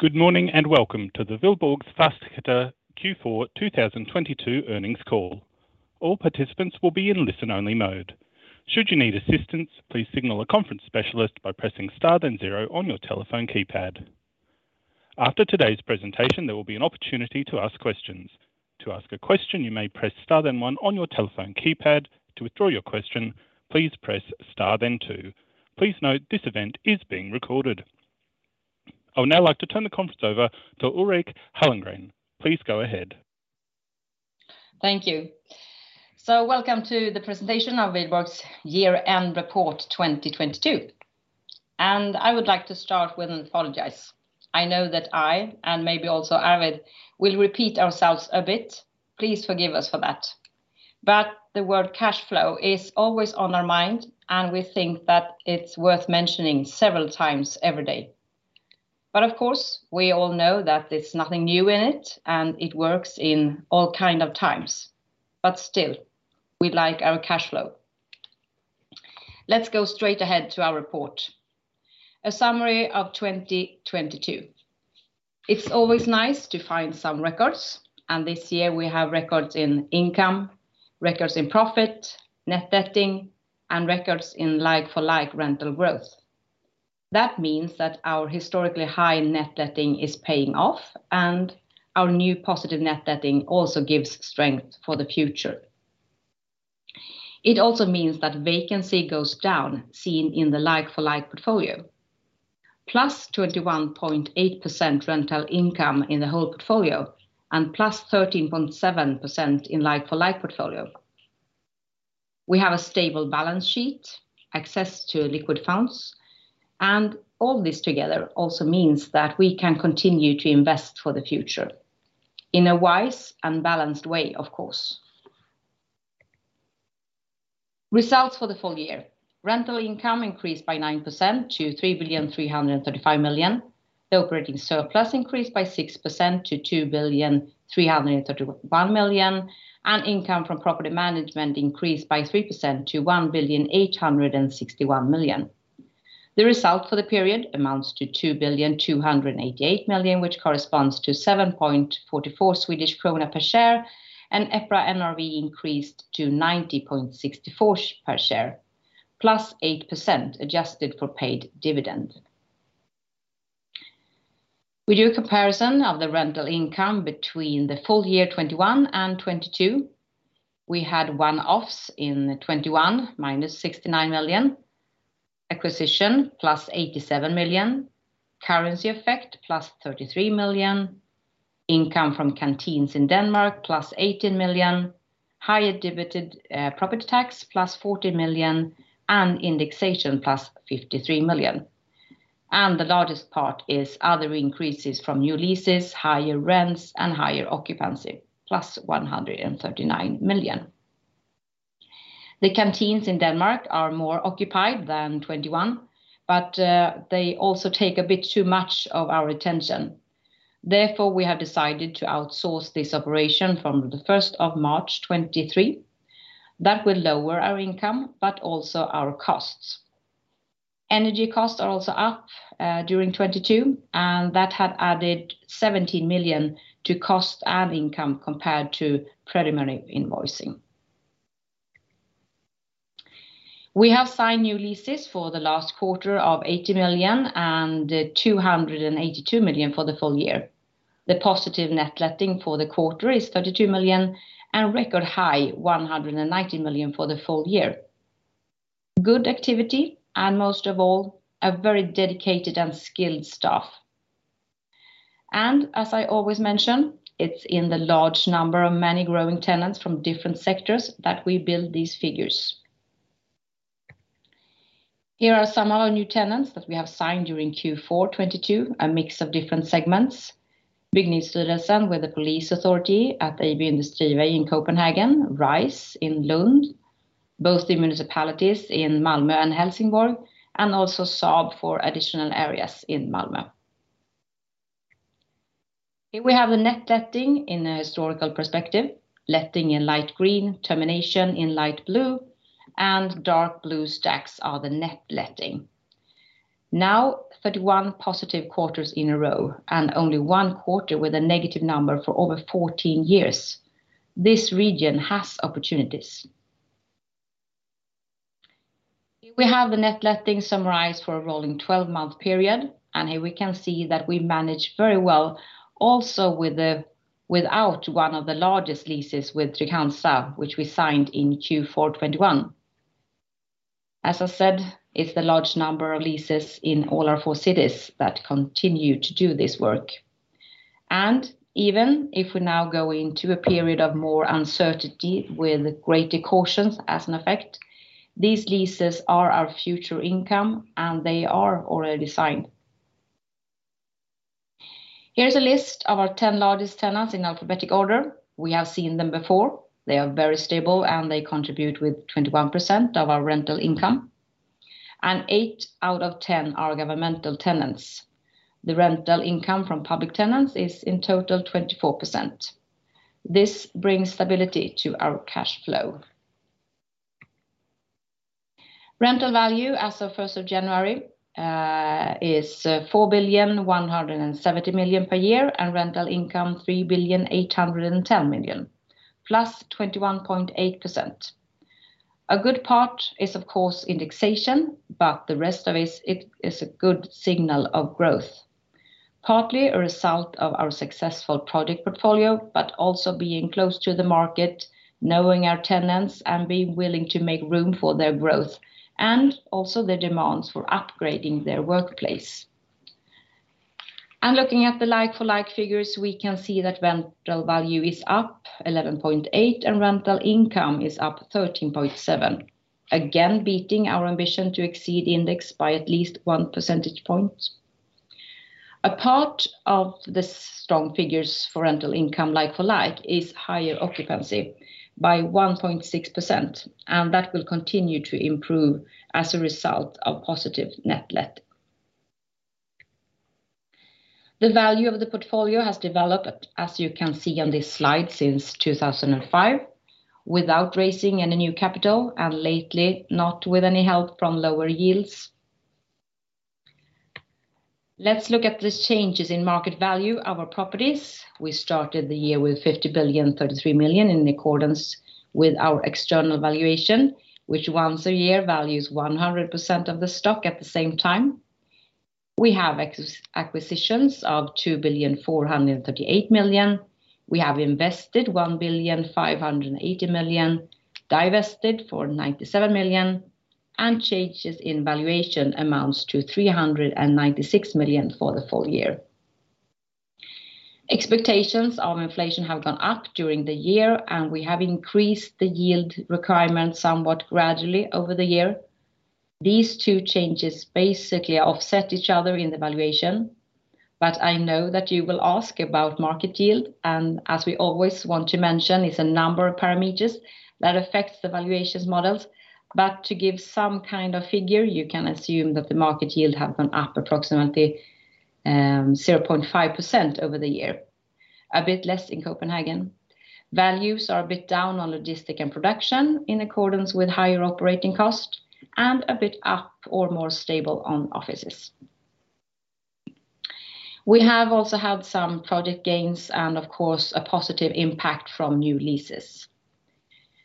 Good morning, and welcome to the Wihlborgs Fastigheter Q4 2022 earnings call. All participants will be in listen only mode. Should you need assistance, please signal a conference specialist by pressing star then zero on your telephone keypad. After today's presentation, there will be an opportunity to ask questions. To ask a question, you may press star then one on your telephone keypad. To withdraw your question, please press star then two. Please note this event is being recorded. I would now like to turn the conference over to Ulrika Hallengren. Please go ahead. Thank you. Welcome to the presentation of Wihlborgs year-end report 2022. I would like to start with an apologize. I know that I, and maybe also Arvid, will repeat ourselves a bit. Please forgive us for that. The word cash flow is always on our mind, and we think that it's worth mentioning several times every day. Of course, we all know that there's nothing new in it, and it works in all kind of times. Still, we like our cash flow. Let's go straight ahead to our report. A summary of 2022. It's always nice to find some records. This year we have records in income, records in profit, net letting, and records in like-for-like rental growth. That means that our historically high net letting is paying off. Our new positive net letting also gives strength for the future. It also means that vacancy goes down, seen in the like-for-like portfolio, +21.8% rental income in the whole portfolio, and +13.7% in like-for-like portfolio. We have a stable balance sheet, access to liquid funds. All this together also means that we can continue to invest for the future in a wise and balanced way of course. Results for the full-year. Rental income increased by 9% to 3,335 million. The operating surplus increased by 6% to 2,331 million. Income from property management increased by 3% to 1,861 million. The result for the period amounts to 2,288 million, which corresponds to 7.44 Swedish krona per share. EPRA NRV increased to 90.64 per share, +8% adjusted for paid dividend. We do a comparison of the rental income between the full-year 2021 and 2022. We had one-offs in 2021, minus 69 million, acquisition plus 87 million, currency effect plus 33 million, income from canteens in Denmark plus 18 million, higher debited property tax plus 40 million, and indexation plus 53 million. The largest part is other increases from new leases, higher rents, and higher occupancy plus 139 million. The canteens in Denmark are more occupied than 2021, but they also take a bit too much of our attention. Therefore, we have decided to outsource this operation from the 1st of March 2023. That will lower our income, but also our costs. Energy costs are also up during 2022, and that had added 17 million to cost and income compared to preliminary invoicing. We have signed new leases for the last quarter of 80 million, and 282 million for the full-year. The positive net letting for the quarter is 32 million, and record high 190 million for the full-year. Good activity, and most of all, a very dedicated and skilled staff. As I always mention, it's in the large number of many growing tenants from different sectors that we build these figures. Here are some of our new tenants that we have signed during Q4 2022, a mix of different segments. Byggnadsstyrelsen with the police authority at Ejby Industrivej in Copenhagen, RISE in Lund, both the municipalities in Malmö and Helsingborg, and also Saab for additional areas in Malmö. Here we have the net letting in a historical perspective. Letting in light green, termination in light blue, and dark blue stacks are the net letting. Now 31 positive quarters in a row, only one quarter with a negative number for over 14 years. This region has opportunities. Here we have the net letting summarized for a rolling 12-month period, here we can see that we manage very well also without one of the largest leases with Trygg-Hansa, which we signed in Q4 2021. As I said, it's the large number of leases in all our four cities that continue to do this work. Even if we now go into a period of more uncertainty with greater cautions as an effect, these leases are our future income, they are already signed. Here's a list of our 10 largest tenants in alphabetical order. We have seen them before. They are very stable, and they contribute with 21% of our rental income. eight out of 10 are governmental tenants. The rental income from public tenants is in total 24%. This brings stability to our cash flow. Rental value as of 1st of January, is $4.17 billion per year, rental income $3.81 billion plus 21.8%. A good part is, of course, indexation, the rest of it is a good signal of growth. Partly a result of our successful project portfolio, but also being close to the market, knowing our tenants, and being willing to make room for their growth, and also the demands for upgrading their workplace. Looking at the like-for-like figures, we can see that rental value is up 11.8, and rental income is up 13.7, again, beating our ambition to exceed index by at least 1 percentage point. A part of the strong figures for rental income like-for-like is higher occupancy by 1.6%, and that will continue to improve as a result of positive net let. The value of the portfolio has developed, as you can see on this slide, since 2005, without raising any new capital, and lately not with any help from lower yields. Let's look at the changes in market value of our properties. We started the year with $50,033,000,000 in accordance with our external valuation, which once a year values 100% of the stock at the same time. We have acquisitions of $2,438,000,000. We have invested $1,580,000,000, divested for $97 million, and changes in valuation amounts to $396 million for the full-year. Expectations of inflation have gone up during the year, and we have increased the yield requirement somewhat gradually over the year. These two changes basically offset each other in the valuation, but I know that you will ask about market yield, and as we always want to mention, it's a number of parameters that affects the valuations models. But to give some kind of figure, you can assume that the market yield have gone up approximately 0.5% over the year. A bit less in Copenhagen. Values are a bit down on logistic and production in accordance with higher operating cost and a bit up or more stable on offices. We have also had some project gains and of course a positive Implast from new leases.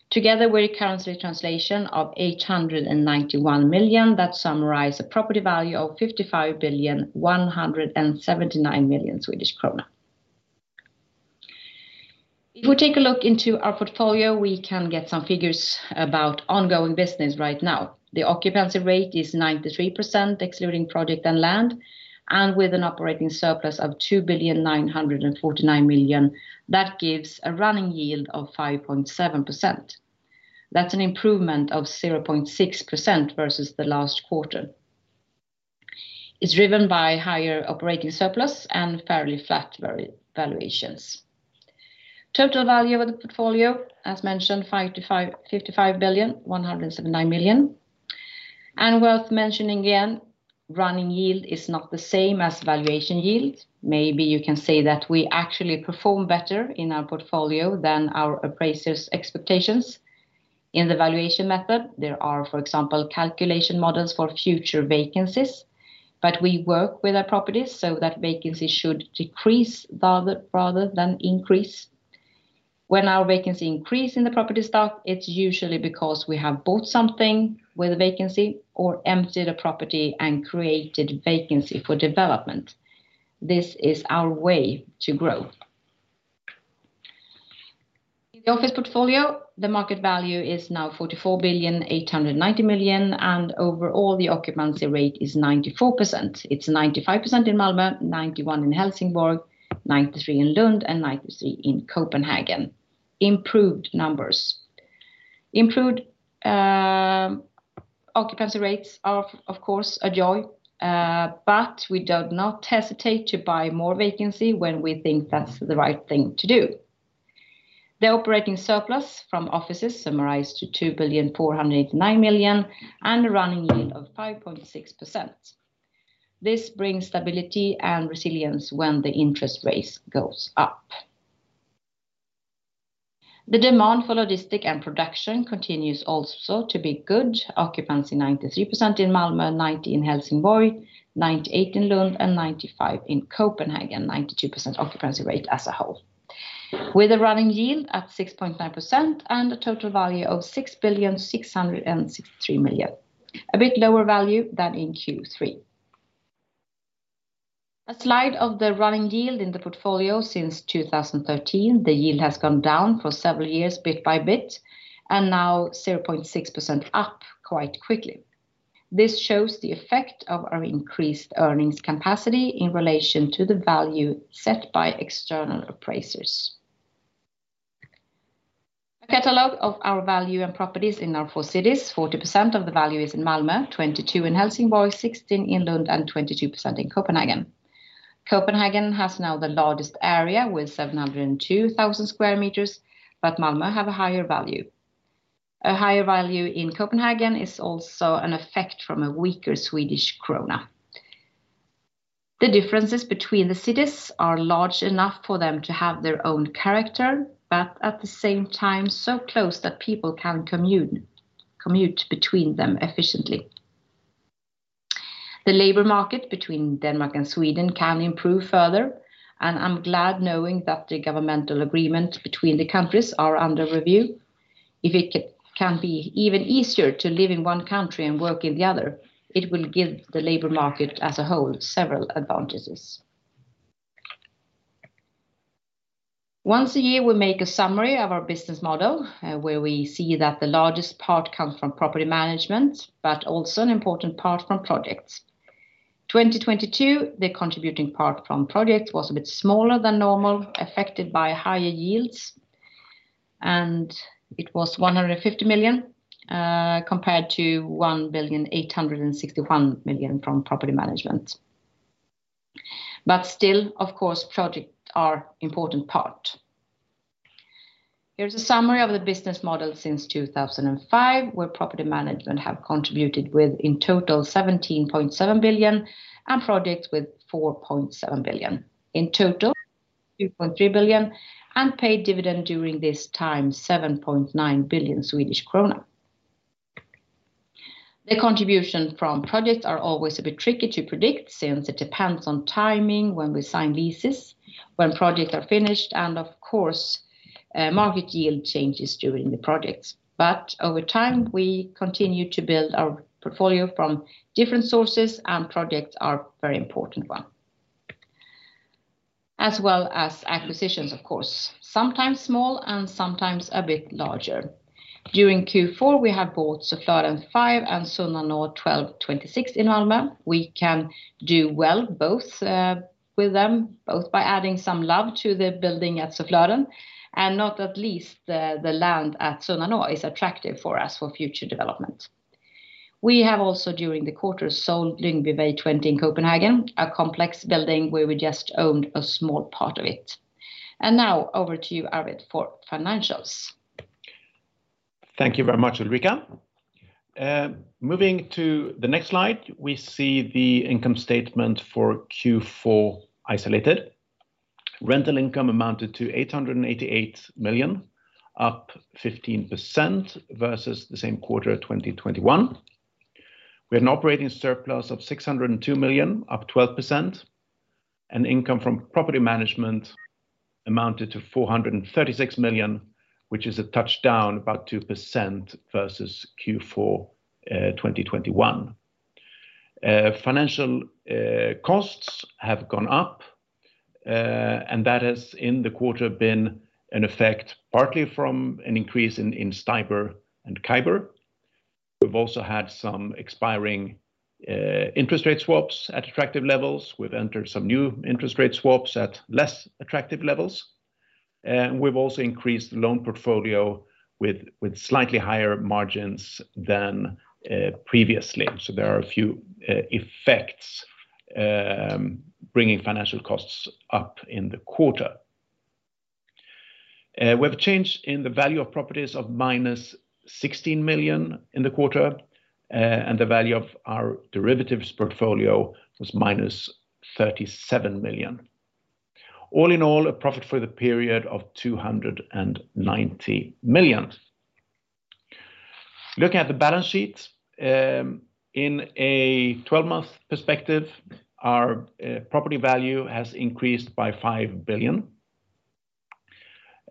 Together with currency translation of 891 million that summarize a property value of 55,179 million Swedish krona. If we take a look into our portfolio, we can get some figures about ongoing business right now. The occupancy rate is 93%, excluding project and land, and with an operating surplus of 2.949 billion, that gives a running yield of 5.7%. That's an improvement of 0.6% versus the last quarter. It's driven by higher operating surplus and fairly flat valuations. Total value of the portfolio, as mentioned, 55,179 million. Worth mentioning again, running yield is not the same as valuation yield. Maybe you can say that we actually perform better in our portfolio than our appraiser's expectations. In the valuation method, there are, for example, calculation models for future vacancies. We work with our properties so that vacancy should decrease rather than increase. When our vacancy increase in the property stock, it's usually because we have bought something with a vacancy or emptied a property and created vacancy for development. This is our way to grow. In the office portfolio, the market value is now 44.89 billion. Overall, the occupancy rate is 94%. It's 95% in Malmö, 91% in Helsingborg, 93% in Lund, 93% in Copenhagen. Improved numbers. Improved occupancy rates are of course a joy. We do not hesitate to buy more vacancy when we think that's the right thing to do. The operating surplus from offices summarized to 2.489 billion and a running yield of 5.6%. This brings stability and resilience when the interest rates goes up. The demand for logistic and production continues also to be good. Occupancy 93% in Malmö, 90 in Helsingborg, 98 in Lund, and 95 in Copenhagen. 92% occupancy rate as a whole. With a running yield at 6.9% and a total value of $6.663 billion. A bit lower value than in Q3. A slide of the running yield in the portfolio since 2013. The yield has gone down for several years bit by bit, and now 0.6% up quite quickly. This shows the effect of our increased earnings capacity in relation to the value set by external appraisers. A catalog of our value and properties in our four cities. 40% of the value is in Malmö, 22 in Helsingborg, 16 in Lund, and 22% in Copenhagen. Copenhagen has now the largest area with 702,000 sq m, but Malmö have a higher value. A higher value in Copenhagen is also an effect from a weaker Swedish krona. The differences between the cities are large enough for them to have their own character, but at the same time, so close that people can commute between them efficiently. The labor market between Denmark and Sweden can improve further, and I'm glad knowing that the governmental agreement between the countries are under review. If it can be even easier to live in one country and work in the other, it will give the labor market as a whole several advantages. Once a year, we make a summary of our business model, where we see that the largest part comes from property management, but also an important part from projects. 2022, the contributing part from projects was a bit smaller than normal, affected by higher yields, and it was 150 million compared to 1,861 million from property management. Still, of course, projects are important part. Here is a summary of the business model since 2005, where property management have contributed with in total 17.7 billion and projects with 4.7 billion. In total, 2.3 billion, and paid dividend during this time, 7.9 billion Swedish krona. The contribution from projects are always a bit tricky to predict since it depends on timing, when we sign leases, when projects are finished, and of course, market yield changes during the projects. Over time, we continue to build our portfolio from different sources, and projects are very important one. As well as acquisitions, of course, sometimes small and sometimes a bit larger. During Q4, we have bought Sofryden 5 and Sunnanå 12:26 in Malmö. We can do well both with them, both by adding some love to the building at Søflåden, and not at least the land at Sunnanå is attractive for us for future development. We have also, during the quarter, sold Lyngbyvej 20 in Copenhagen, a complex building where we just owned a small part of it. Now over to you, Arvid, for financials. Thank you very much, Ulrika. Moving to the next slide, we see the income statement for Q4 isolated. Rental income amounted to 888 million, up 15% versus the same quarter of 2021. We had an operating surplus of 602 million, up 12%. Income from property management amounted to 436 million, which is a touch down about 2% versus Q4, 2021. Financial costs have gone up, and that has, in the quarter, been an effect partly from an increase in STIBOR and CIBOR. We've also had some expiring interest rate swaps at attractive levels. We've entered some new interest rate swaps at less attractive levels. We've also increased the loan portfolio with slightly higher margins than previously. There are a few effects bringing financial costs up in the quarter. We have a change in the value of properties of minus 16 million in the quarter, and the value of our derivatives portfolio was minus 37 million. All in all, a profit for the period of 290 million. Looking at the balance sheet, in a 12-month perspective, our property value has increased by 5 billion.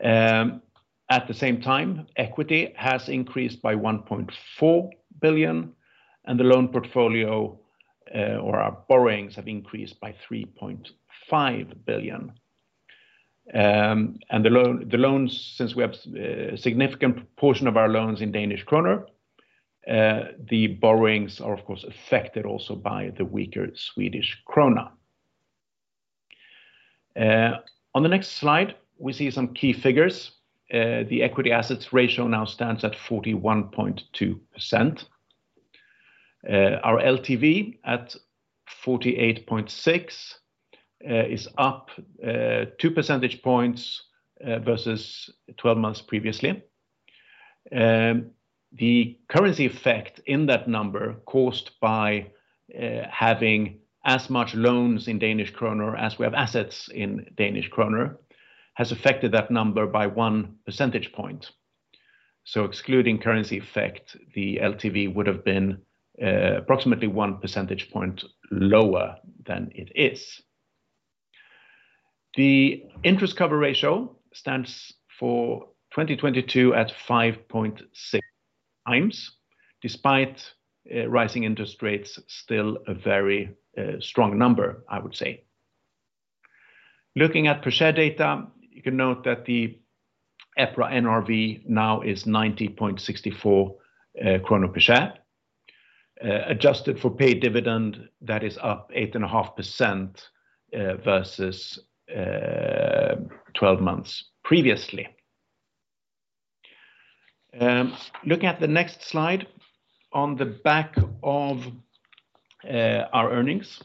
At the same time, equity has increased by 1.4 billion, and the loan portfolio, or our borrowings have increased by 3.5 billion. The loans, since we have significant portion of our loans in Danish krona, the borrowings are of course affected also by the weaker Swedish krona. On the next slide, we see some key figures. The equity/assets ratio now stands at 41.2%. Our LTV at 48.6% is up 2 percentage points versus 12 months previously. The currency effect in that number caused by having as much loans in Danish krona as we have assets in Danish krona has affected that number by 1 percentage point. Excluding currency effect, the LTV would have been approximately 1 percentage point lower than it is. The interest coverage ratio stands for 2022 at 5.6 times. Despite rising interest rates, still a very strong number, I would say. Looking at per share data, you can note that the EPRA NRV now is 90.64 krona per share. Adjusted for paid dividend, that is up 8.5% versus 12 months previously. Looking at the next slide on the back of our earnings,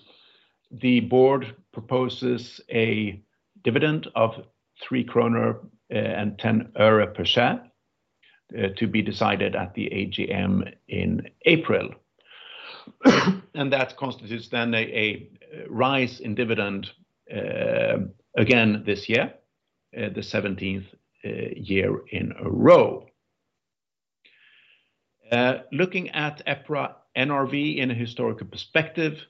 the board proposes a dividend of 3 kronor and 10 öre per share. To be decided at the AGM in April. That constitutes a rise in dividend again this year, the 17th year in a row. Looking at EPRA NRV in a historical perspective,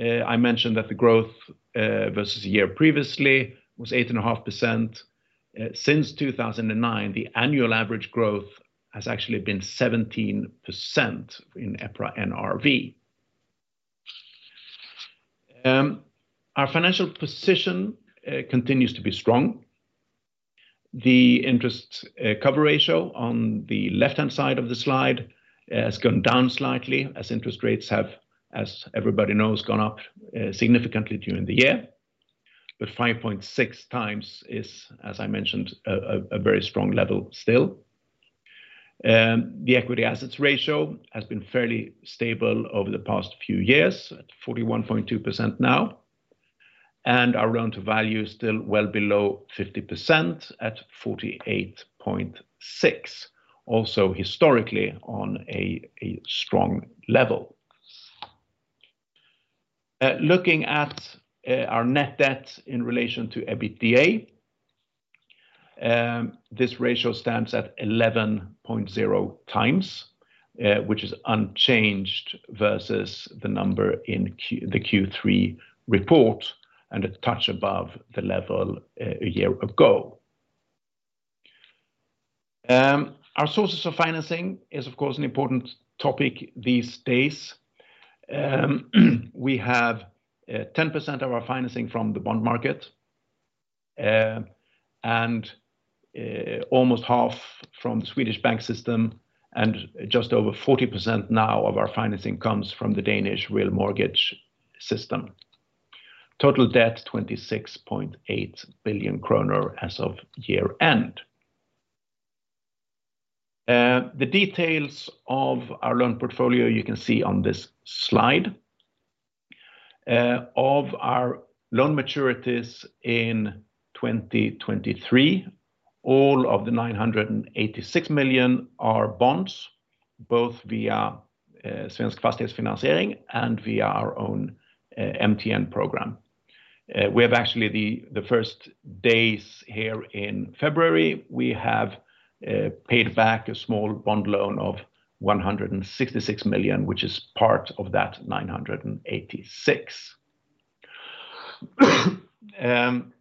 I mentioned that the growth versus the year previously was 8.5%. Since 2009, the annual average growth has actually been 17% in EPRA NRV. Our financial position continues to be strong. The interest coverage ratio on the left-hand side of the slide has gone down slightly as interest rates have, as everybody knows, gone up significantly during the year. 5.6 times is, as I mentioned, a very strong level still. The equity/assets ratio has been fairly stable over the past few years at 41.2% now. Our loan-to-value is still well below 50% at 48.6%, also historically on a strong level. Looking at our net debt in relation to EBITDA, this ratio stands at 11.0 times, which is unchanged versus the number in the Q3 report and a touch above the level a year ago. Our sources of financing is of course an important topic these days. We have 10% of our financing from the bond market, and almost half from the Swedish bank system, and just over 40% now of our financing comes from the Danish real mortgage system. Total debt, 26.8 billion kronor as of year-end. The details of our loan portfolio you can see on this slide. Of our loan maturities in 2023, all of the 986 million are bonds, both via Svensk Fastighetsfinansiering and via our own MTN program. We have actually the first days here in February, we have paid back a small bond loan of 166 million, which is part of that 986 million.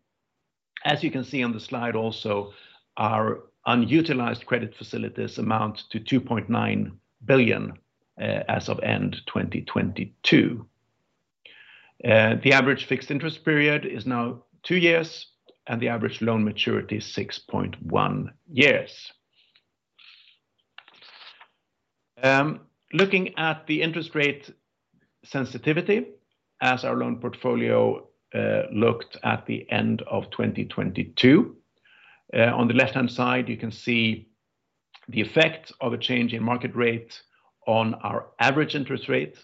As you can see on the slide also, our unutilized credit facilities amount to 2.9 billion as of end 2022. The average fixed interest period is now two years, the average loan maturity is 6.1 years. Looking at the interest rate sensitivity as our loan portfolio looked at the end of 2022, on the left-hand side, you can see the effect of a change in market rate on our average interest rate.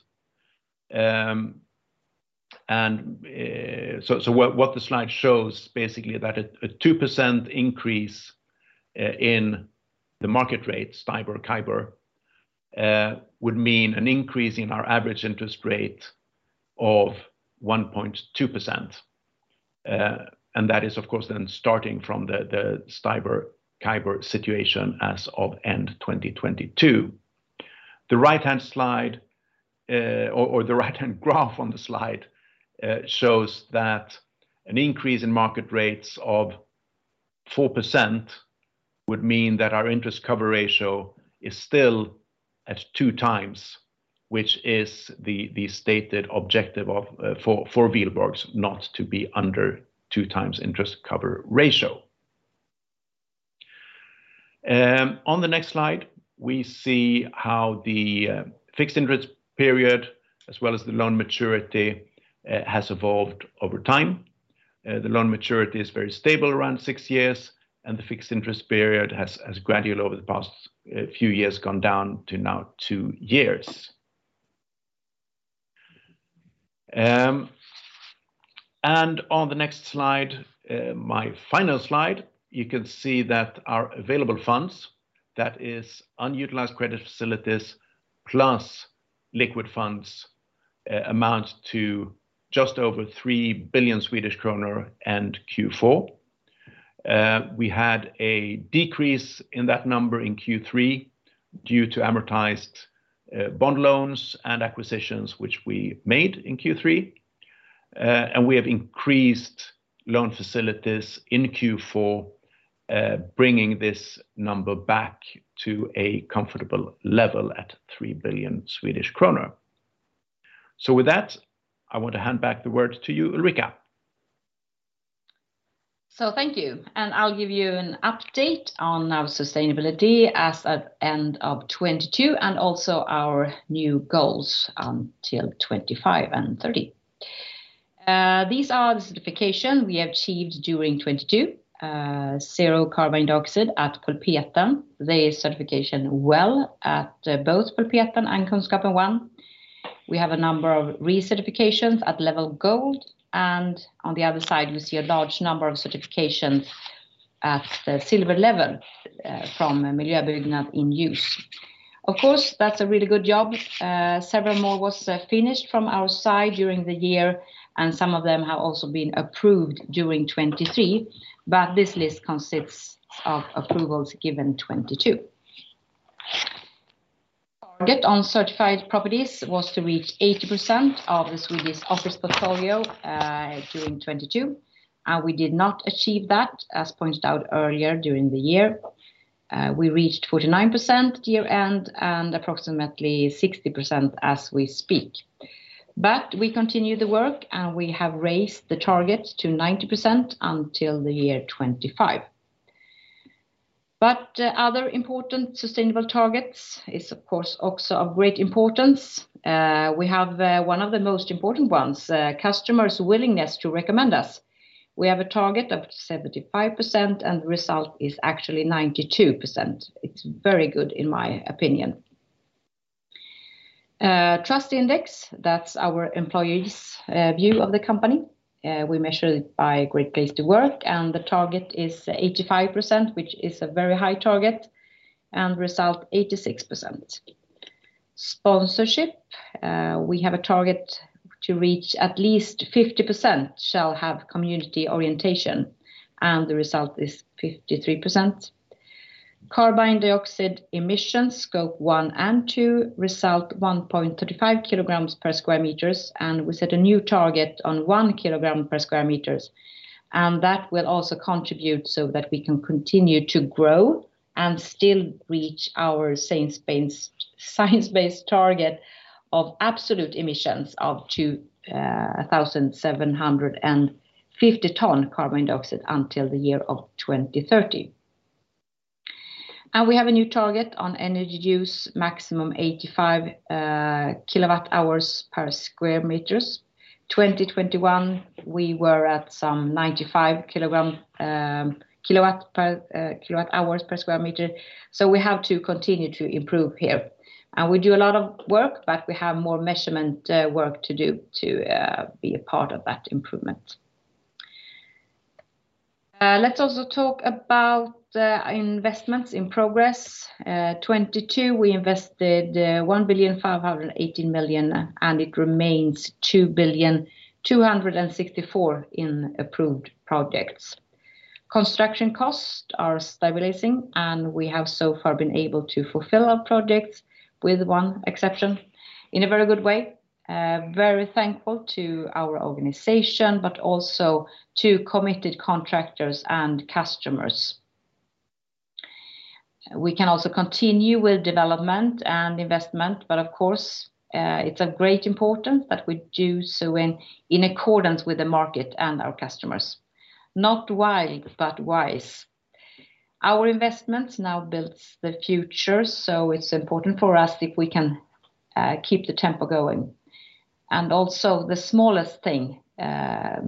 The slide shows basically that a 2% increase in the market rates, STIBOR, CIBOR, would mean an increase in our average interest rate of 1.2%. That is of course then starting from the STIBOR CIBOR situation as of end 2022. The right-hand slide, or the right-hand graph on the slide, shows that an increase in market rates of 4% would mean that our interest coverage ratio is still at two times, which is the stated objective for Wihlborgs not to be under two times interest coverage ratio. On the next slide, we see how the fixed interest period as well as the loan maturity has evolved over time. The loan maturity is very stable around 6 years, and the fixed interest period has gradually over the past few years gone down to now two years. On the next slide, my final slide, you can see that our available funds, that is unutilized credit facilities plus liquid funds, amount to just over 3 billion Swedish kronor end Q4. We had a decrease in that number in Q3 due to amortized bond loans and acquisitions which we made in Q3. We have increased loan facilities in Q4, bringing this number back to a comfortable level at 3 billion Swedish kronor. With that, I want to hand back the word to you, Ulrika. Thank you, and I'll give you an update on our sustainability as at end of 2022 and also our new goals until 2025 and 2030. These are the certification we achieved during 2022. Zero carbon dioxide at Polhem. There is certification WELL at both Polhem and Kunskapen 1. We have a number of recertifications at level Gold, and on the other side, we see a large number of certifications at the silver level, from Miljöbyggnad in use. Of course, that's a really good job. Several more was finished from our side during the year, and some of them have also been approved during 2023, but this list consists of approvals given 2022. Our get on certified properties was to reach 80% of the Swedish office portfolio, during 2022, and we did not achieve that, as pointed out earlier during the year. We reached 49% year-end and approximately 60% as we speak. We continue the work, and we have raised the target to 90% until the year 2025. Other important sustainable targets is, of course, also of great importance. We have one of the most important ones, customers' willingness to recommend us. We have a target of 75%, and the result is actually 92%. It's very good in my opinion. Trust index, that's our employees', view of the company. We measure it by Great Place To Work, and the target is 85%, which is a very high target, and result 86%. Sponsorship, we have a target to reach at least 50% shall have community orientation, and the result is 53%. Carbon dioxide emissions, scope one and two, result 1.35 kilograms per square meters. We set a new target on 1 kilogram per square meters, and that will also contribute so that we can continue to grow and still reach our science-based target of absolute emissions of 2,750 ton carbon dioxide until the year of 2030. We have a new target on energy use maximum 85 kilowatt hours per square meters. 2021, we were at some 95 kilowatt hours per square meter. We have to continue to improve here. We do a lot of work, but we have more measurement work to do to be a part of that improvement. Let's also talk about investments in progress. 2022, we invested 1.58 billion. It remains 2.264 billion in approved projects. Construction costs are stabilizing. We have so far been able to fulfill our projects, with one exception, in a very good way. Very thankful to our organization, also to committed contractors and customers. We can also continue with development and investment, of course, it's of great importance that we do so in accordance with the market and our customers. Not wild, but wise. Our investments now builds the future. It's important for us if we can keep the tempo going. Also, the smallest thing,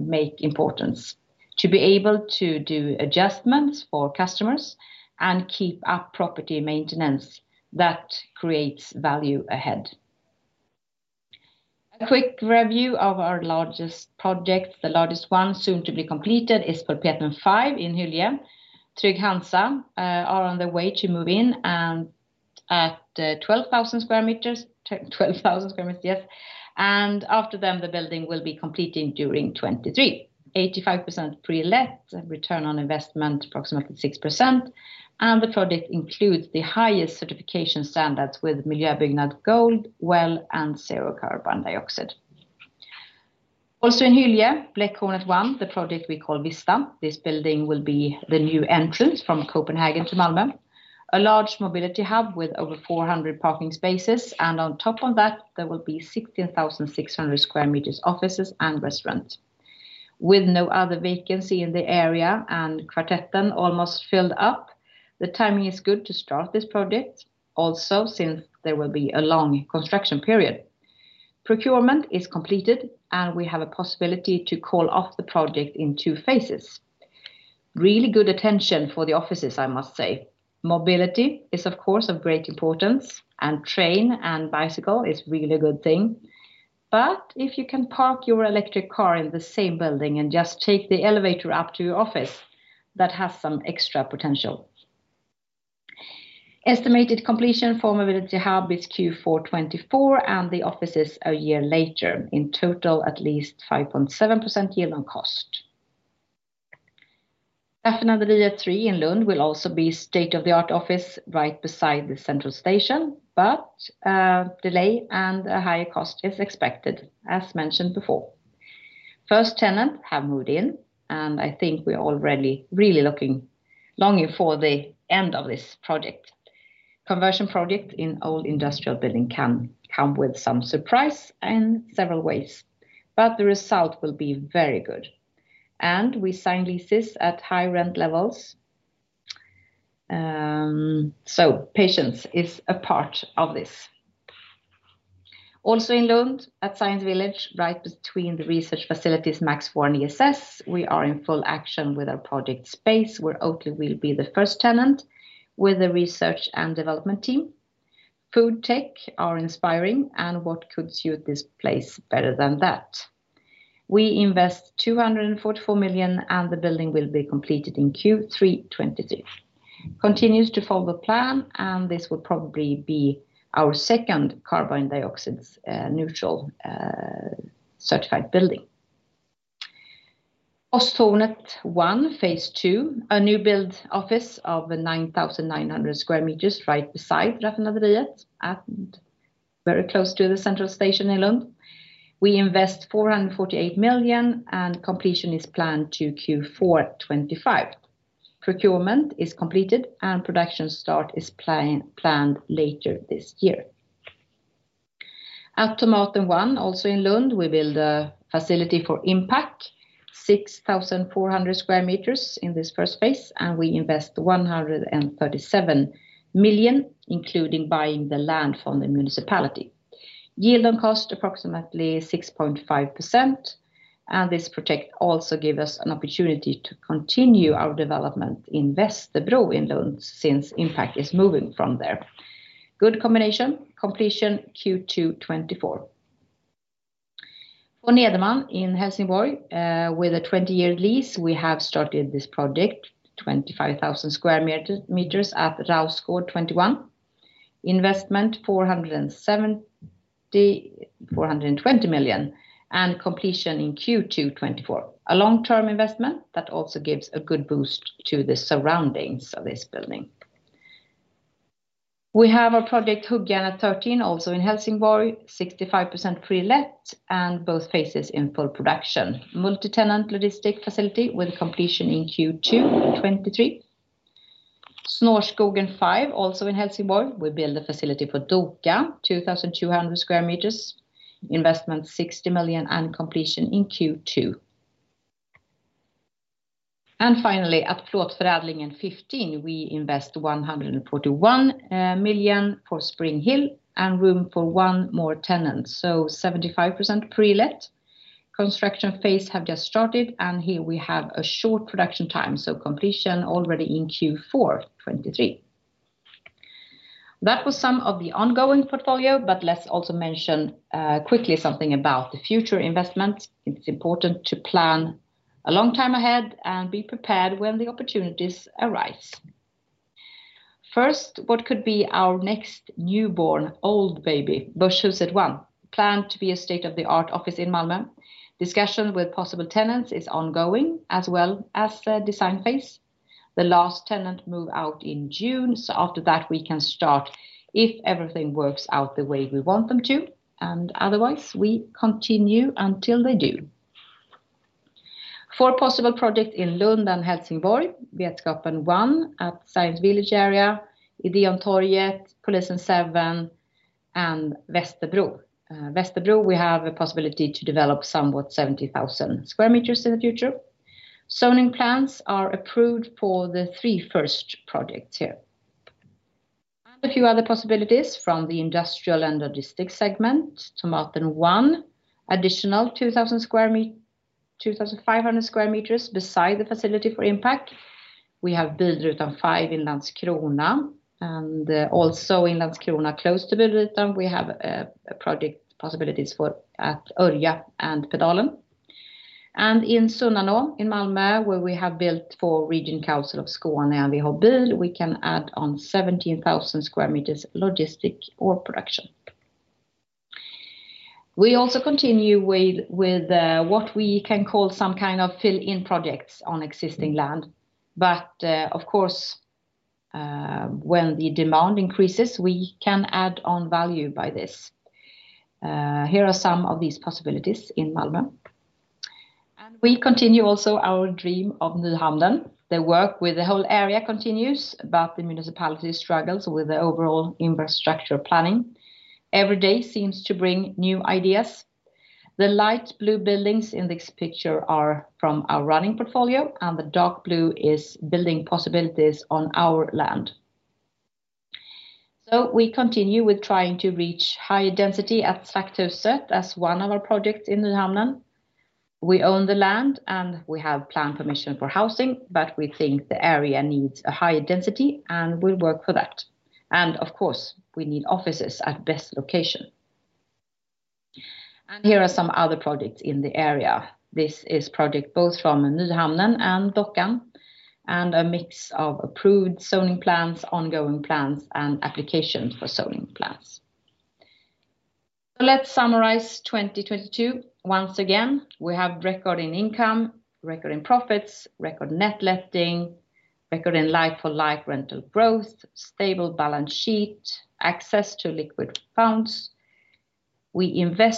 make importance. To be able to do adjustments for customers and keep up property maintenance, that creates value ahead. A quick review of our largest project. The largest one, soon to be completed, is Pulpeten 5 in Hyllie. Trygg-Hansa are on the way to move in, at 12,000 square meters. 12,000 square meters, yes. After them, the building will be completing during 2023. 85% pre-let, return on investment approximately 6%, and the project includes the highest certification standards with Miljöbyggnad Guld, WELL, and Zero Carbon Dioxide. Also in Hyllie, Bläckhornet 1, the project we call Vista. This building will be the new entrance from Copenhagen to Malmö. A large mobility hub with over 400 parking spaces, on top of that, there will be 16,600 square meters offices and restaurant. With no other vacancy in the area and Kvartetten almost filled up, the timing is good to start this project. Since there will be a long construction period. Procurement is completed, and we have a possibility to call off the project in two phases. Really good attention for the offices, I must say. Mobility is, of course, of great importance, and train and bicycle is really a good thing. If you can park your electric car in the same building and just take the elevator up to your office, that has some extra potential. Estimated completion for mobility hub is Q4 2024, and the office is a year later. In total, at least 5.7% yield on cost. Tegnérliden 3 in Lund will also be state-of-the-art office right beside the central station. Delay and a higher cost is expected, as mentioned before. First tenant have moved in, and I think we're all really looking, longing for the end of this project. Conversion project in old industrial building can come with some surprise in several ways, the result will be very good. We sign leases at high rent levels. Patience is a part of this. Also in Lund, at Science Village, right between the research facilities MAX IV and ESS, we are in full action with our project Space, where Oatly will be the first tenant with a research and development team. Foodtech are inspiring and what could suit this place better than that? We invest 244 million, the building will be completed in Q3 2022. Continues to follow plan. This will probably be our second carbon dioxide neutral certified building. Posthornet 1, phase two, a new build office of 9,900 sq m right beside Raffinaderiet and very close to the central station in Lund. We invest 448 million, and completion is planned to Q4 2025. Procurement is completed and production start is planned later this year. At Tomaten 1, also in Lund, we build a facility for Impact, 6,400 sqm in this first phase, and we invest 137 million, including buying the land from the municipality. Yield on cost, approximately 6.5%, and this project also give us an opportunity to continue our development in Västerbro in Lund since Impact is moving from there. Good combination. Completion, Q2 2024. For Nederman in Helsingborg, with a 20-year lease, we have started this project, 25,000 sqm at Rausgård 21. Investment, 420 million, and completion in Q2 2024. A long-term investment that also gives a good boost to the surroundings of this building. We have our project Huggarna 13, also in Helsingborg, 65% pre-let, and both phases in full production. Multi-tenant logistic facility with completion in Q2 2023. Snårskogen 5, also in Helsingborg, we build a facility for Doka, 2,200 square meters. Investment, 60 million, and completion in Q2. Finally, at Plåtförädlingen 15, we invest 141 million for Springhill and room for one more tenant, so 75% pre-let. Construction phase have just started, and here we have a short production time, so completion already in Q4 2023. That was some of the ongoing portfolio. Let's also mention quickly something about the future investments. It's important to plan a long time ahead and be prepared when the opportunities arise. What could be our next newborn old baby? Börshuset 1, planned to be a state-of-the-art office in Malmö. Discussion with possible tenants is ongoing as well as the design phase. The last tenant move out in June, after that we can start if everything works out the way we want them to, otherwise, we continue until they do. Four possible project in Lund and Helsingborg, Vetenskapen 1 at Science Village area, Ideontorget, Polisen 7, Västerbro. Västerbro, we have a possibility to develop somewhat 70,000 square meters in the future. Zoning plans are approved for the three first projects here. A few other possibilities from the industrial and logistics segment. Tomaten 1, additional 2,500 square meters beside the facility for Impact. We have Bilrutan 5 in Landskrona. Also in Landskrona close to Bilrutan, we have a project possibilities for at Örja and Pedalen. In Sunnanå in Malmö, where we have built for Region Skåne and Veho Bil, we can add on 17,000 square meters logistic or production. We also continue with what we can call some kind of fill-in projects on existing land. Of course, when the demand increases, we can add on value by this. Here are some of these possibilities in Malmö. We continue also our dream of Nyhamnen. The work with the whole area continues. The municipality struggles with the overall infrastructure planning. Every day seems to bring new ideas. The light blue buildings in this picture are from our running portfolio. The dark blue is building possibilities on our land. We continue with trying to reach higher density at Traktören 1 as one of our projects in Nyhamnen. We own the land, and we have planned permission for housing, but we think the area needs a higher density, and we'll work for that. Of course, we need offices at best location. Here are some other projects in the area. This is project both from Nyhamnen and Dockan, and a mix of approved zoning plans, ongoing plans, and applications for zoning plans. Let's summarize 2022. Once again, we have record in income, record in profits, record net letting, record in like-for-like rental growth, stable balance sheet, access to liquid funds. I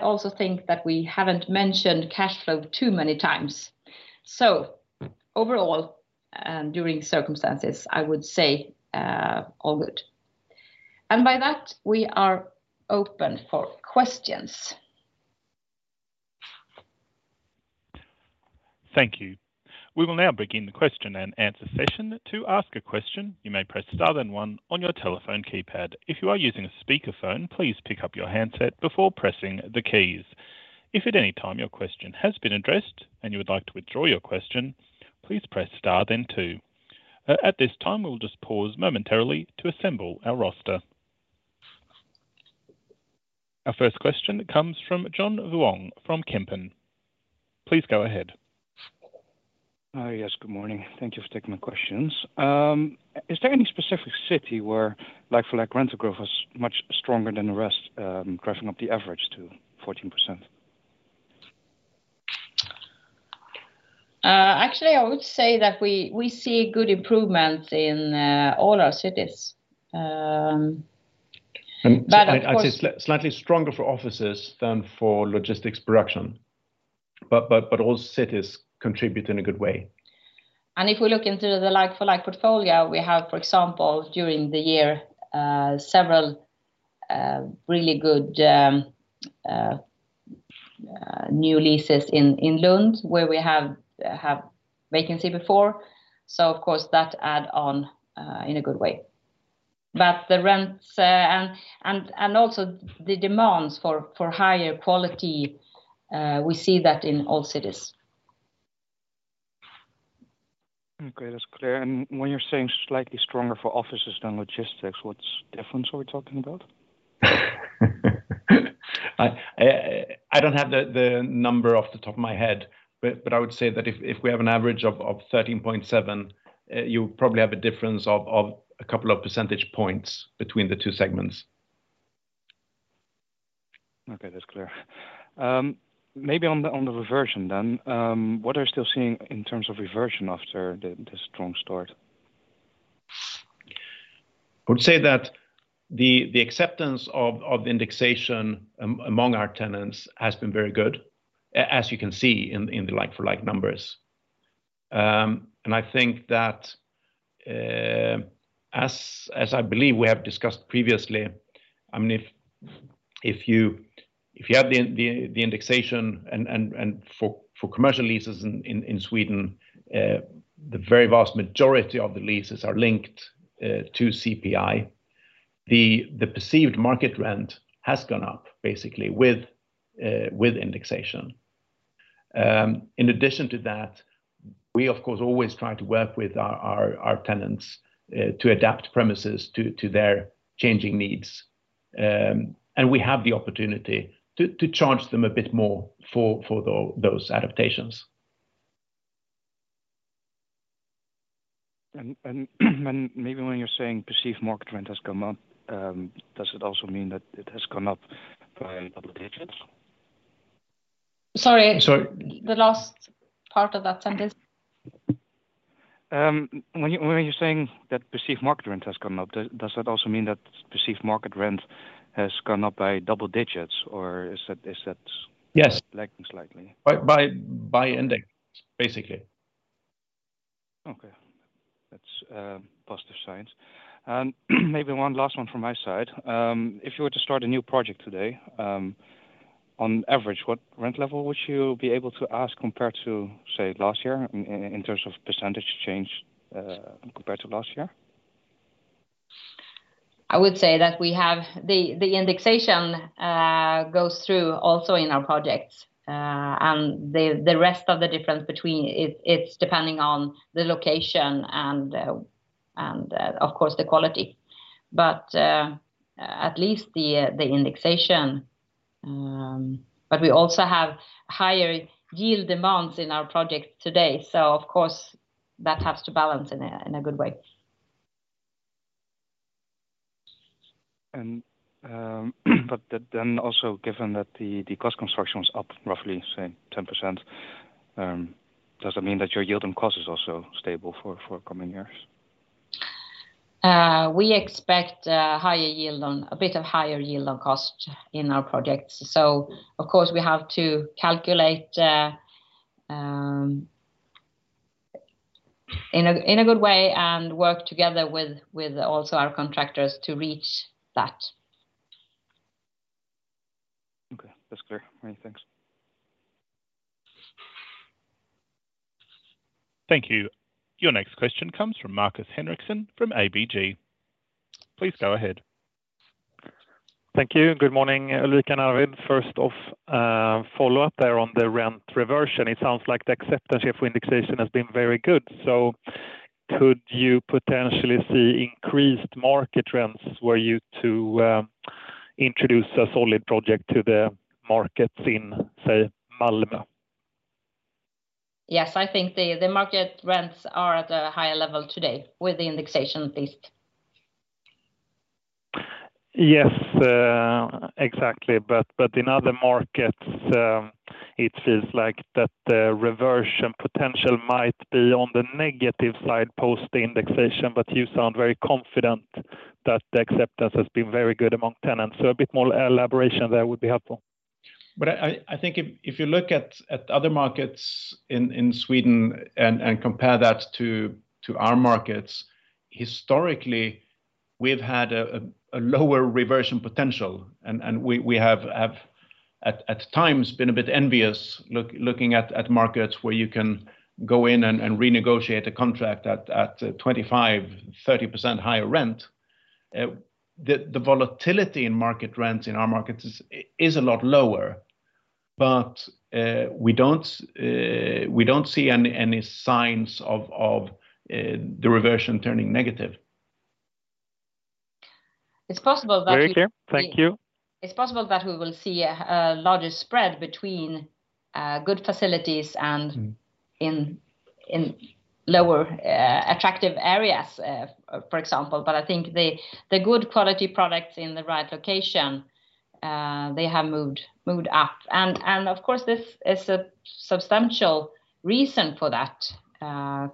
also think that we haven't mentioned cash flow too many times. Overall, during circumstances, I would say, all good. By that, we are open for questions. Thank you. We will now begin the question-and-answer session. To ask a question, you may press star then one on your telephone keypad. If you are using a speakerphone, please pick up your handset before pressing the keys. If at any time your question has been addressed and you would like to withdraw your question, please press star then two. At this time, we'll just pause momentarily to assemble our roster. Our first question comes from John Vuong from Kempen. Please go ahead. Yes. Good morning. Thank you for taking my questions. Is there any specific city where like-for-like rental growth was much stronger than the rest, driving up the average to 14%? Actually, I would say that we see good improvement in all our cities. I'd say slightly stronger for offices than for logistics production. But all cities contribute in a good way. If we look into the like-for-like portfolio, we have, for example, during the year, several really good new leases in Lund where we have vacancy before. Of course, that add on in a good way. The rents and also the demands for higher quality, we see that in all cities. Okay. That's clear. When you're saying slightly stronger for offices than logistics, what difference are we talking about? I don't have the number off the top of my head, but I would say that if we have an average of 13.7, you probably have a difference of a couple of percentage points between the two segments. Okay. That's clear. Maybe on the reversion then, what are you still seeing in terms of reversion after the strong start? I would say that the acceptance of indexation among our tenants has been very good, as you can see in the like-for-like numbers. I think that as I believe we have discussed previously, I mean, if you have the indexation and for commercial leases in Sweden, the very vast majority of the leases are linked to CPI. The perceived market rent has gone up basically with indexation. In addition to that, we of course always try to work with our tenants to adapt premises to their changing needs. We have the opportunity to charge them a bit more for those adaptations. Maybe when you're saying perceived market rent has come up, does it also mean that it has come up by double digits? Sorry. Sorry. The last part of that sentence. When you're saying that perceived market rent has come up, does that also mean that perceived market rent has gone up by double digits or is that? Yes lacking slightly? By index basically. Okay. That's positive signs. Maybe one last one from my side. If you were to start a new project today, on average, what rent level would you be able to ask compared to, say, last year in terms of percentage change, compared to last year? I would say that we have the indexation, goes through also in our projects. The rest of the difference between is it's depending on the location and, of course the quality. At least the indexation. We also have higher yield demands in our project today. Of course that has to balance in a good way. Also given that the cost construction was up roughly, say, 10%, does that mean that your yield and cost is also stable for coming years? We expect a bit of higher yield on cost in our projects. Of course, we have to calculate in a good way and work together with also our contractors to reach that. Okay. That's clear. All right. Thanks. Thank you. Your next question comes from Markus Henriksson from ABG. Please go ahead. Thank you. Good morning, Ulrika and Arvid. First off, follow up there on the rent reversion. It sounds like the acceptance rate for indexation has been very good. Could you potentially see increased market rents were you to introduce a solid project to the markets in, say, Malmö? Yes. I think the market rents are at a higher level today with the indexation at least. Yes. Exactly. In other markets, it feels like that the reversion potential might be on the negative side post the indexation, but you sound very confident that the acceptance has been very good among tenants. A bit more elaboration there would be helpful. I think if you look at other markets in Sweden and compare that to our markets, historically, we've had a lower reversion potential. we have at times been a bit envious looking at markets where you can go in and renegotiate a contract at a 25-30% higher rent. The volatility in market rents in our markets is a lot lower. we don't see any signs of the reversion turning negative. It's possible that. Very clear. Thank you. It's possible that we will see a larger spread between good facilities. Mm. -in, in lower, attractive areas, for example. I think the good quality products in the right location, they have moved up. Of course, this is a substantial reason for that.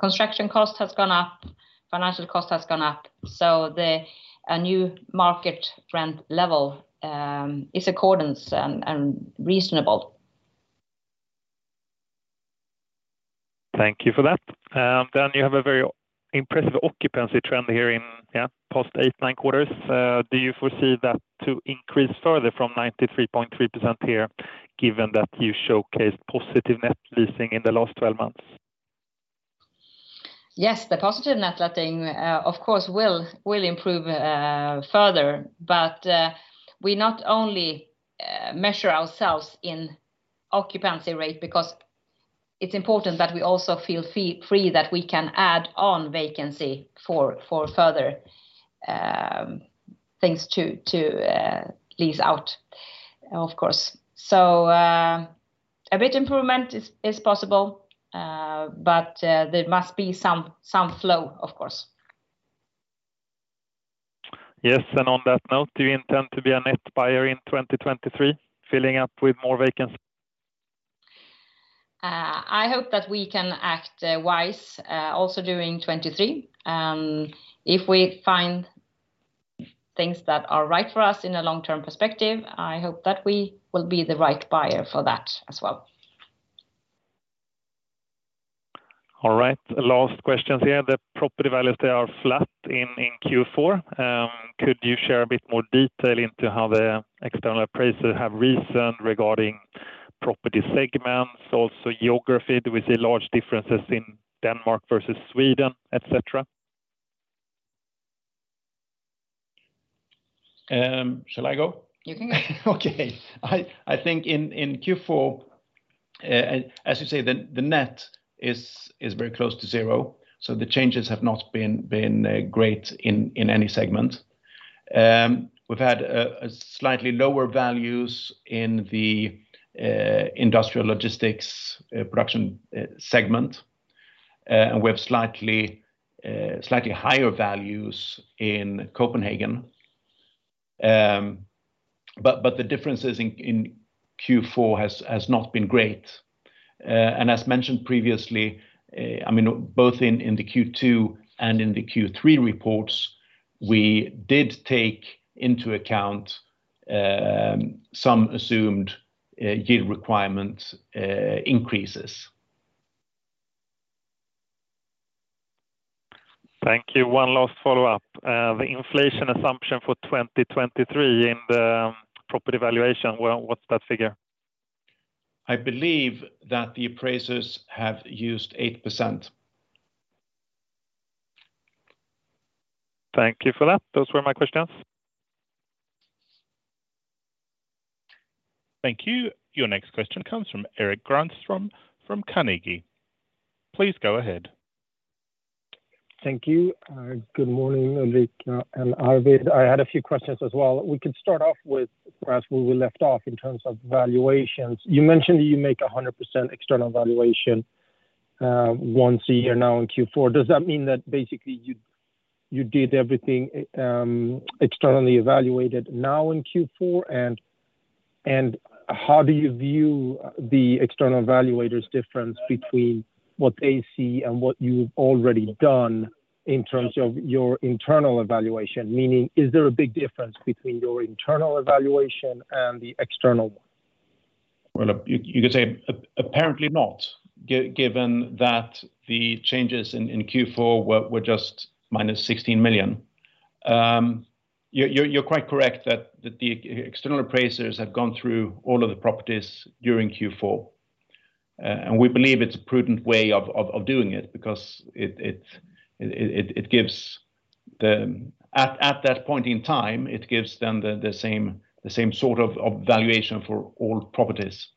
Construction cost has gone up, financial cost has gone up. The, a new market rent level, is accordance and reasonable. Thank you for that. You have a very impressive occupancy trend here in, post eight, nine quarters. Do you foresee that to increase further from 93.3% here, given that you showcased positive net leasing in the last 12 months? Yes. The positive net letting, of course, will improve further. We not only measure ourselves in occupancy rate because it's important that we also feel free that we can add on vacancy for further things to lease out, of course. A bit improvement is possible. There must be some flow, of course. Yes. On that note, do you intend to be a net buyer in 2023, filling up with more vacancy? I hope that we can act wise also during 2023. If we find things that are right for us in a long-term perspective, I hope that we will be the right buyer for that as well. All right. Last questions here. The property values, they are flat in Q4. Could you share a bit more detail into how the external appraisers have reasoned regarding property segments, also geography? Do we see large differences in Denmark versus Sweden, et cetera? Shall I go? You can go. Okay. I think in Q4, as you say, the net is very close to zero, the changes have not been great in any segment. We've had a slightly lower values in the industrial logistics production segment. We have slightly higher values in Copenhagen. The differences in Q4 has not been great. As mentioned previously, I mean, both in the Q2 and in the Q3 reports, we did take into account some assumed yield requirement increases. Thank you. One last follow-up. The inflation assumption for 2023 in the property valuation, what's that figure? I believe that the appraisers have used 8%. Thank you for that. Those were my questions. Thank you. Your next question comes from Erik Granström from Carnegie. Please go ahead. Thank you. Good morning, Ulrika and Arvid. I had a few questions as well. We could start off with perhaps where we left off in terms of valuations. You mentioned you make a 100% external valuation, once a year now in Q4. Does that mean that basically you did everything externally evaluated now in Q4? How do you view the external evaluators' difference between what they see and what you've already done in terms of your internal evaluation? Meaning, is there a big difference between your internal evaluation and the external one? Well, you could say apparently not, given that the changes in Q4 were just minus 16 million. You're quite correct that the external appraisers have gone through all of the properties during Q4. We believe it's a prudent way of doing it because it gives them the same sort of valuation for all properties.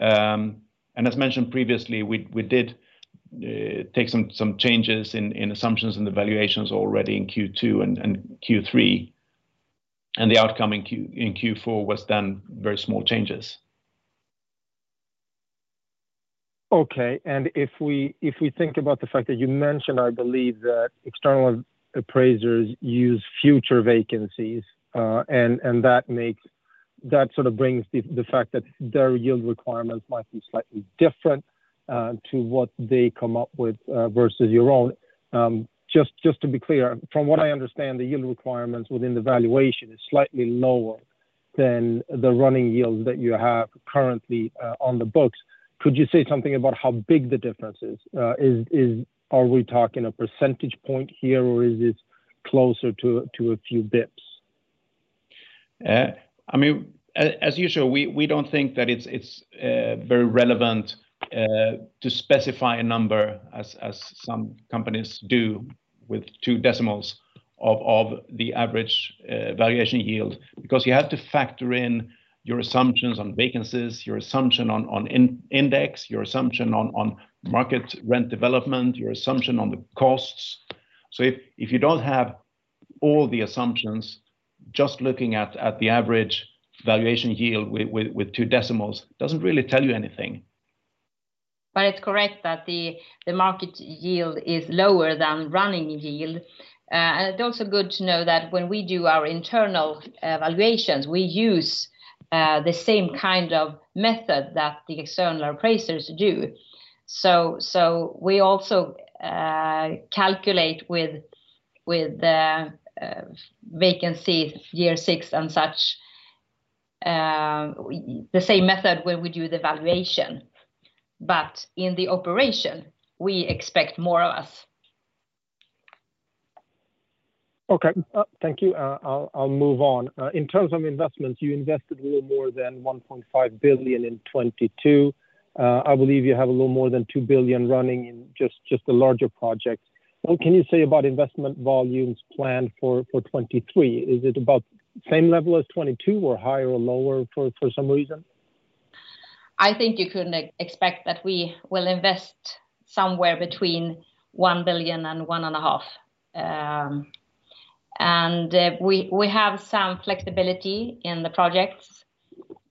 As mentioned previously, we did take some changes in assumptions and the valuations already in Q2 and Q3. The outcome in Q4 was then very small changes. Okay. If we, if we think about the fact that you mentioned, I believe, that external appraisers use future vacancies, and that sort of brings the fact that their yield requirements might be slightly different to what they come up with versus your own. Just to be clear, from what I understand, the yield requirements within the valuation is slightly lower than the running yields that you have currently on the books. Could you say something about how big the difference is? Are we talking a percentage point here, or is it closer to a few bips? I mean, as usual, we don't think that it's very relevant to specify a number as some companies do with two decimals of the average valuation yield because you have to factor in your assumptions on vacancies, your assumption on in-index, your assumption on market rent development, your assumption on the costs. If you don't have all the assumptions, just looking at the average valuation yield with two decimals doesn't really tell you anything. It's correct that the market yield is lower than running yield. It's also good to know that when we do our internal valuations, we use the same kind of method that the external appraisers do. We also calculate with the vacancy year six and such, the same method where we do the valuation. In the operation, we expect more or less. Okay. Thank you. I'll move on. In terms of investments, you invested a little more than 1.5 billion in 2022. I believe you have a little more than 2 billion running in just the larger projects. What can you say about investment volumes planned for 2023? Is it about same level as 2022 or higher or lower for some reason? I think you can expect that we will invest somewhere between 1 billion and one and a half billion. We have some flexibility in the projects,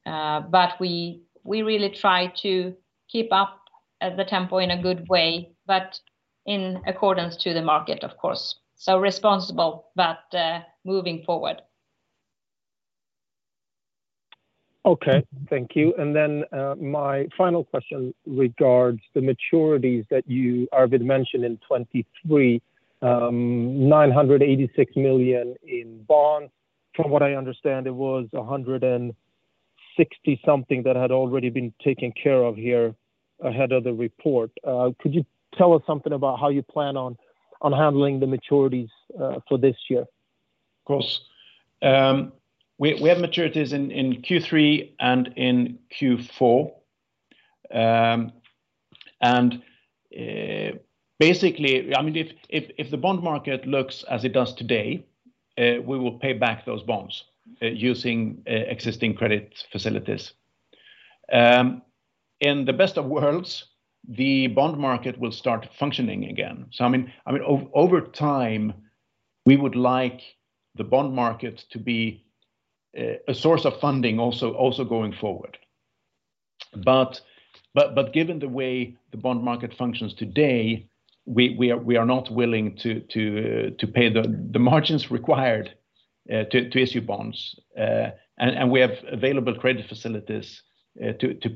but we really try to keep up the tempo in a good way, but in accordance to the market, of course. Responsible, but moving forward. Okay. Thank you. My final question regards the maturities that you, Arvid, mentioned in 2023. 986 million in bonds. From what I understand, it was 160 something million that had already been taken care of here ahead of the report. Could you tell us something about how you plan on handling the maturities for this year? Of course. We have maturities in Q3 and in Q4. Basically, I mean, if the bond market looks as it does today, we will pay back those bonds using existing credit facilities. In the best of worlds, the bond market will start functioning again. I mean, over time, we would like the bond market to be a source of funding also going forward. But given the way the bond market functions today, we are not willing to pay the margins required to issue bonds. And we have available credit facilities to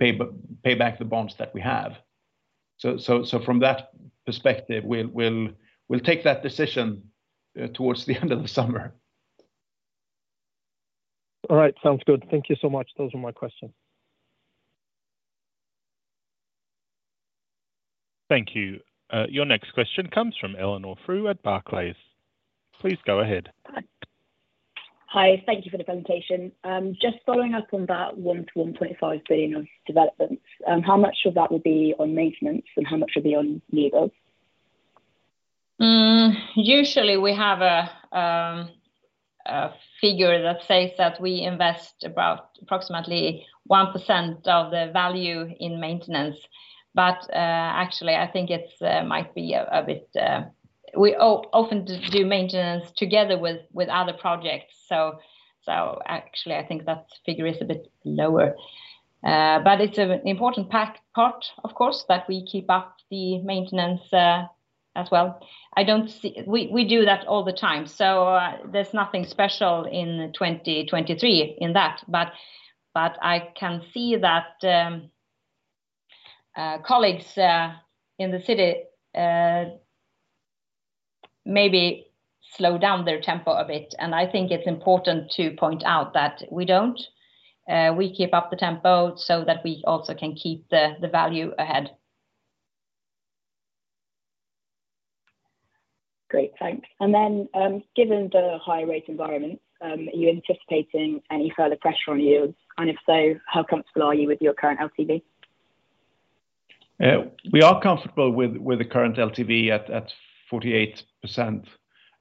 pay back the bonds that we have. So from that perspective, we'll take that decision towards the end of the summer. All right. Sounds good. Thank you so much. Those were my questions. Thank you. Your next question comes from Eleonore af Schaumburg-Lippe at Barclays. Please go ahead. Hi. Thank you for the presentation. Just following up on that 1 billion-1.5 billion of developments, how much of that will be on maintenance and how much will be on newbuilds? Usually, we have a figure that says that we invest about approximately 1% of the value in maintenance. Actually, I think it's might be a bit. We often do maintenance together with other projects. Actually, I think that figure is a bit lower. It's an important part, of course, that we keep up the maintenance as well. We do that all the time, there's nothing special in 2023 in that. I can see that colleagues in the city maybe slow down their tempo a bit. I think it's important to point out that we don't. We keep up the tempo so that we also can keep the value ahead. Great. Thanks. Given the high rate environment, are you anticipating any further pressure on yields? If so, how comfortable are you with your current LTV? We are comfortable with the current LTV at 48%.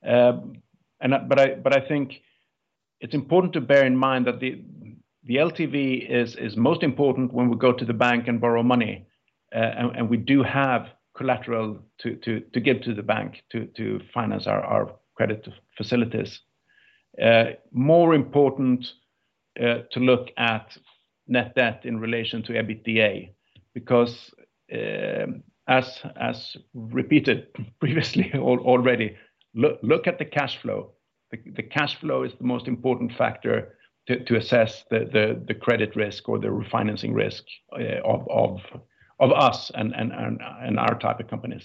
I think it's important to bear in mind that the LTV is most important when we go to the bank and borrow money. We do have collateral to give to the bank to finance our credit facilities. More important to look at net debt in relation to EBITDA because as repeated previously already, look at the cash flow. The cash flow is the most important factor to assess the credit risk or the refinancing risk of us and our type of companies.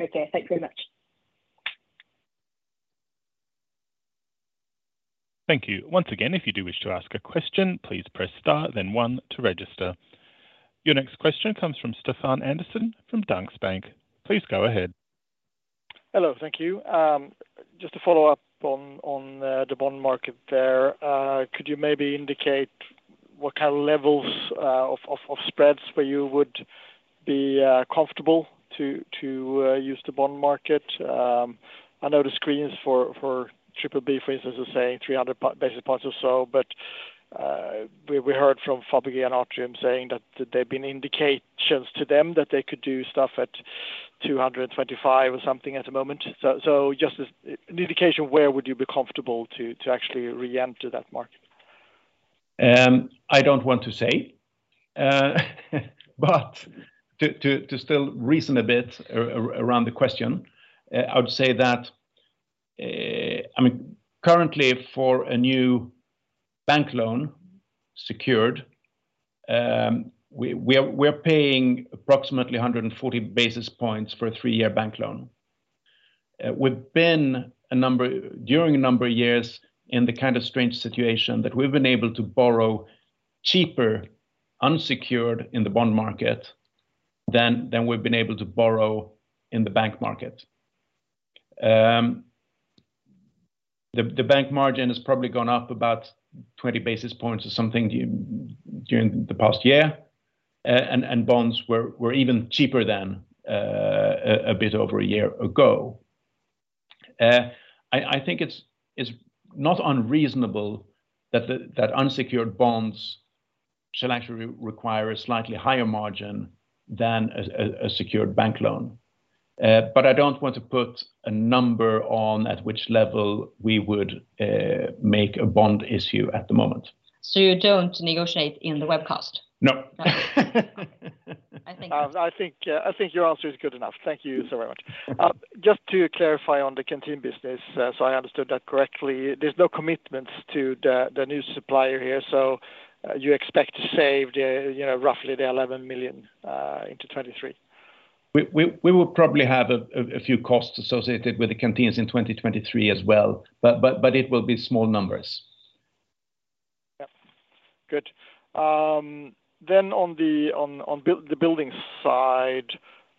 Okay. Thank you very much. Thank you. Once again, if you do wish to ask a question, please press star then one to register. Your next question comes from Stefan Andersson from Danske Bank. Please go ahead. Hello. Thank you. Just to follow up on the bond market there. Could you maybe indicate what kind of levels of spreads where you would be comfortable to use the bond market? I know the screens for BBB, for instance, are saying 300 basis points or so. We heard from Fabege and Atrium Ljungberg saying that there've been indications to them that they could do stuff at 225 or something at the moment. Just as an indication, where would you be comfortable to actually re-enter that market? I don't want to say. To still reason a bit around the question, I would say that, I mean, currently for a new bank loan secured, we are, we're paying approximately 140 basis points for a three-year bank loan. We've been During a number of years in the kind of strange situation that we've been able to borrow cheaper unsecured in the bond market than we've been able to borrow in the bank market. The bank margin has probably gone up about 20 basis points or something during the past year. Bonds were even cheaper than a bit over a year ago. I think it's not unreasonable that unsecured bonds shall actually require a slightly higher margin than a secured bank loan. I don't want to put a number on at which level we would make a bond issue at the moment. You don't negotiate in the webcast? No. Okay. I think your answer is good enough. Thank you so very much. Just to clarify on the canteen business, I understood that correctly, there's no commitments to the new supplier here? You expect to save the, you know, roughly the 11 million into 2023? We will probably have a few costs associated with the canteens in 2023 as well, but it will be small numbers. Yeah. Good. On the building side,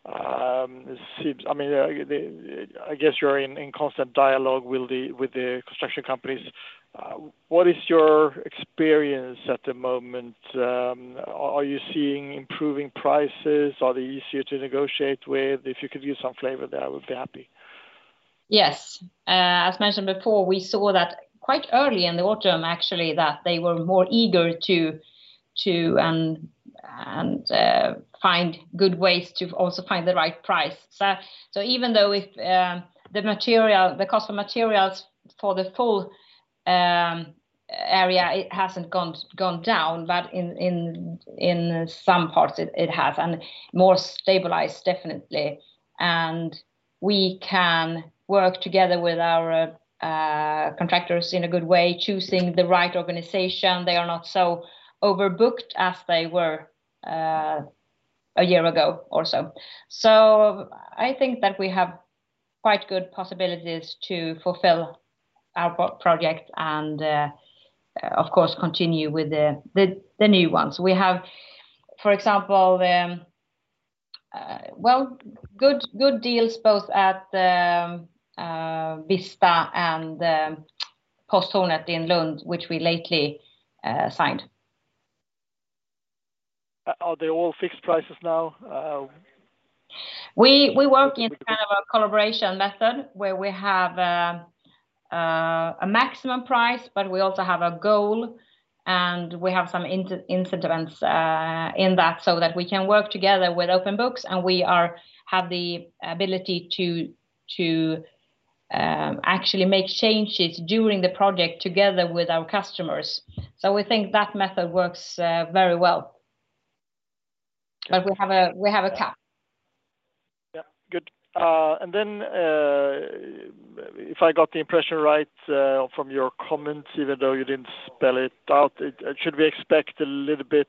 it seems. I mean, I guess you're in constant dialogue with the construction companies. What is your experience at the moment? Are you seeing improving prices? Are they easier to negotiate with? If you could give some flavor there, I would be happy. Yes. As mentioned before, we saw that quite early in the autumn actually, that they were more eager to find good ways to also find the right price. Even though if the material, the cost of materials for the full area, it hasn't gone down, but in some parts it has and more stabilized definitely. We can work together with our contractors in a good way, choosing the right organization. They are not so overbooked as they were a year ago or so. I think that we have quite good possibilities to fulfill our project and, of course, continue with the new ones. We have, for example, well, good deals both at Vista and Posthornet in Lund, which we lately signed. Are they all fixed prices now? We work in kind of a collaboration method where we have a maximum price, but we also have a goal and we have some incentives in that we can work together with open books and we have the ability to actually make changes during the project together with our customers. We think that method works very well. Yeah. We have a cap. Yeah. Good. If I got the impression right, from your comments, even though you didn't spell it out, should we expect a little bit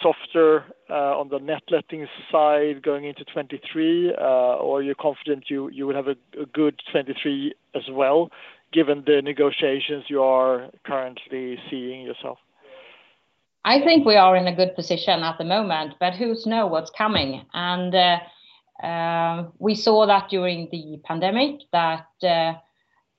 softer on the net lettings side going into 2023, or are you confident you will have a good 2023 as well, given the negotiations you are currently seeing yourself? I think we are in a good position at the moment, but who knows what's coming? We saw that during the pandemic that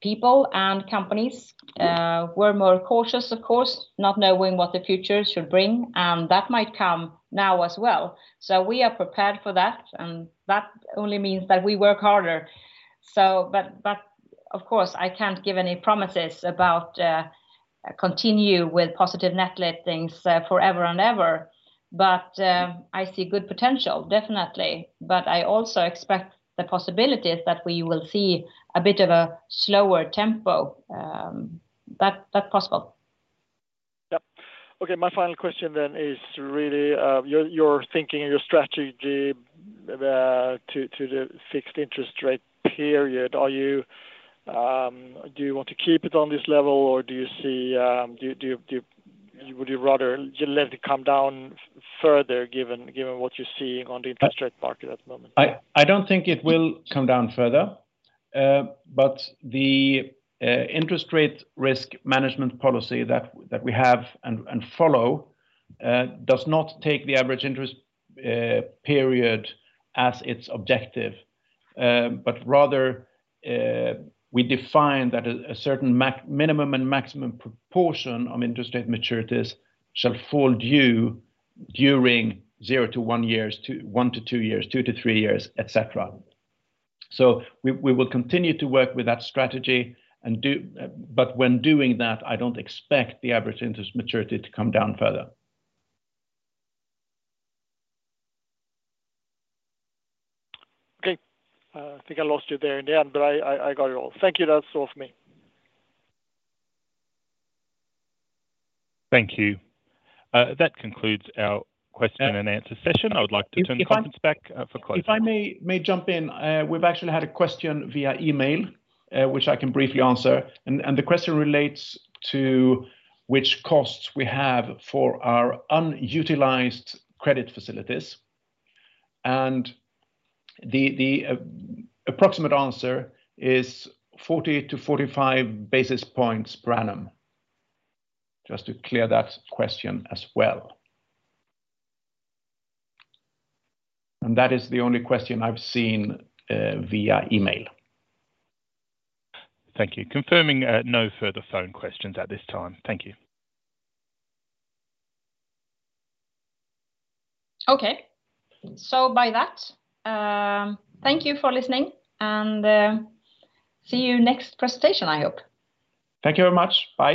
people and companies were more cautious, of course, not knowing what the future should bring, and that might come now as well. We are prepared for that, and that only means that we work harder. Of course, I can't give any promises about continue with positive net lettings forever and ever. I see good potential, definitely. I also expect the possibilities that we will see a bit of a slower tempo, that's possible. Okay. My final question then is really, your thinking and your strategy to the fixed interest rate period. Are you, do you want to keep it on this level or do you see, do you would you rather let it come down further given what you're seeing on the interest rate market at the moment? I don't think it will come down further. The interest rate risk management policy that we have and follow does not take the average interest period as its objective. Rather, we define that a certain minimum and maximum proportion of interest rate maturities shall fall due during zero to one years, one to two years, two to three years, et cetera. We will continue to work with that strategy and do. When doing that, I don't expect the average interest maturity to come down further. Okay. I think I lost you there in the end, but I got it all. Thank you. That's all from me. Thank you. That concludes our question-and-answer session. Uh, if, if I- I would like to turn the conference back for closing remarks. If I may jump in. We've actually had a question via email, which I can briefly answer. The question relates to which costs we have for our unutilized credit facilities. The approximate answer is 40 to 45 basis points per annum. Just to clear that question as well. That is the only question I've seen via email. Thank you. Confirming, no further phone questions at this time. Thank you. Okay. By that, thank you for listening and, see you next presentation, I hope. Thank you very much. Bye.